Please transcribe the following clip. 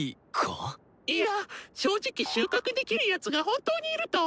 いや正直収穫できるやつが本当にいると思わなくて。